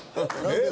「えっ！